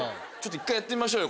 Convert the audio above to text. １回やってみましょうよ。